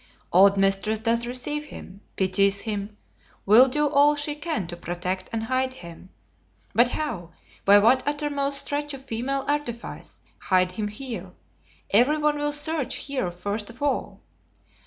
Old mistress does receive him, pities him, will do all she can to protect and hide him. But how, by what uttermost stretch of female artifice hide him here; every one will search here first of all!